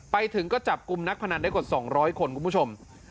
ไปถึงก็จับกลุ่มนักพนันได้กว่า๒๐๐คนคุณผู้ชม